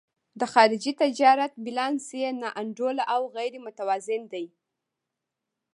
د خارجي تجارت بیلانس یې نا انډوله او غیر متوازن دی.